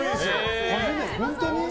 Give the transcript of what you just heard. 本当に？